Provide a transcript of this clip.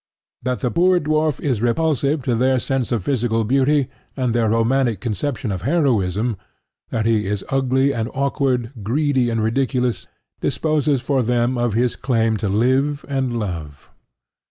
That the poor dwarf is repulsive to their sense of physical beauty and their romantic conception of heroism, that he is ugly and awkward, greedy and ridiculous, disposes for them of his claim to live and love.